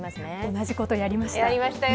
同じことやりました。